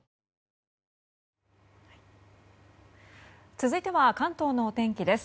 続いては関東のお天気です。